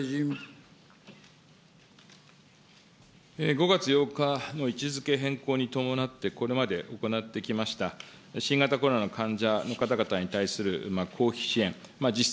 ５月８日の位置づけ変更に伴って、これまで行ってきました新型コロナの患者の方々に対する公費支援、実質